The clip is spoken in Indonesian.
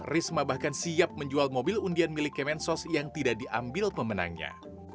risma bahkan siap menjual mobil undian milik kemensos yang tidak diambil pemenangnya